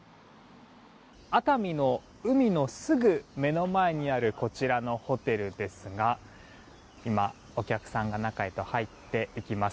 熱海の海のすぐ目の前にあるこちらのホテルですが今、お客さんが中へと入っていきます。